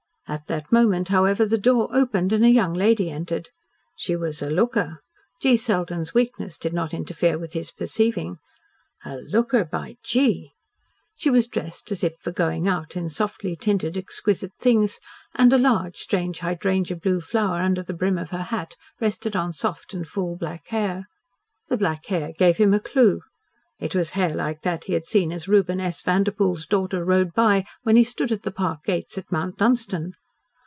At that moment, however, the door opened and a young lady entered. She was "a looker," G. Selden's weakness did not interfere with his perceiving. "A looker, by gee!" She was dressed, as if for going out, in softly tinted, exquisite things, and a large, strange hydrangea blue flower under the brim of her hat rested on soft and full black hair. The black hair gave him a clue. It was hair like that he had seen as Reuben S. Vanderpoel's daughter rode by when he stood at the park gates at Mount Dunstan.